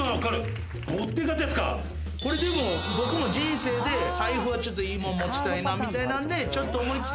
これでも僕も人生で財布はちょっといいもん持ちたいなみたいなんでちょっと思い切って。